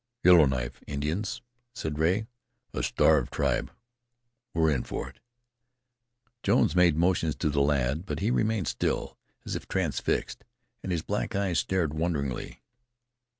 "Yellow Knife Indians," said Rea. "A starved tribe! We're in for it." Jones made motions to the lad, but he remained still, as if transfixed, and his black eyes stared wonderingly.